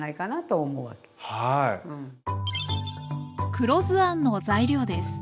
黒酢あんの材料です。